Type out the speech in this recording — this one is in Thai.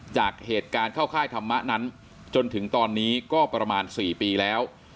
จากเหตุการณ์เข้าค่ายธรรมะนั้นจนถึงตอนนี้ก็ประมาณ๔ปีแล้ว